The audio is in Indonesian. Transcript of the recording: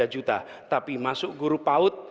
tiga juta tapi masuk guru paut